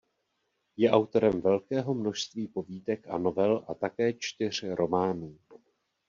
Je autorem velkého množství povídek a novel a také čtyř románů.